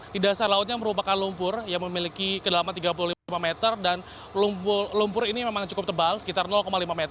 di dasar lautnya merupakan lumpur yang memiliki kedalaman tiga puluh lima meter dan lumpur ini memang cukup tebal sekitar lima meter